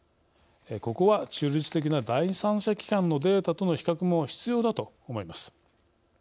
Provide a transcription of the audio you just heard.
ここは中立的な第三者機関のデータとの比較も必要だと思います。